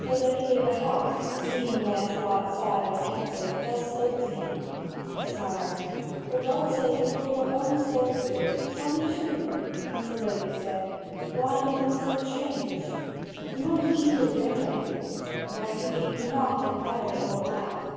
The lady of the house, seeing Lancelot sad and pensive, thus spoke to him: "Sire, for God's sake and for your own soul's good, tell me truly," the lady said, "why you are so changed. You won't eat or drink anything, and I see that you do not make merry or laugh.